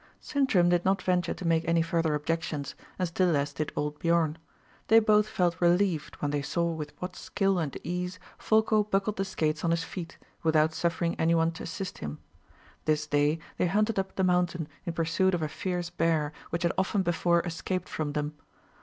Sintram did not venture to make any further objections, and still less did old Biorn. They both felt relieved when they saw with what skill and ease Folko buckled the skates on his feet, without suffering any one to assist him. This day they hunted up the mountain in pursuit of a fierce bear which had often before escaped from them.